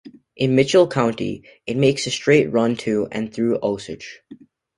In Mitchell County, it makes a straight run to and through Osage.